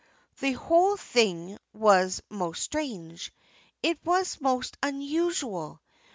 The whole thing was most strange. It was most unusual.